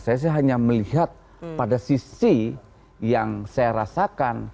saya sih hanya melihat pada sisi yang saya rasakan